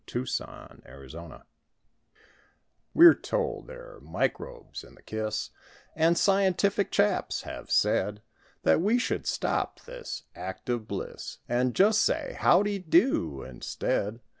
57 THE MICROBIC KISS We're told there're microbes in the kiss; And scientific chaps have said That we should stop this act of bliss And just say "How de do" instead.